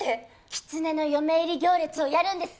きつねの嫁入り行列をやるんです！